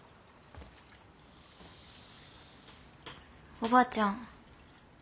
おばあちゃん。